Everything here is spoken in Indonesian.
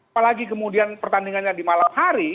apalagi kemudian pertandingannya di malam hari